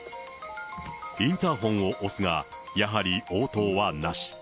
インターホンを押すが、やはり応答はなし。